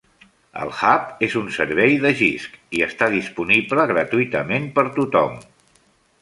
El Hub és un servei de Jisc i està disponible gratuïtament per tothom.